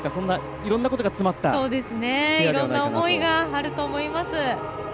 いろんな思いがあると思います。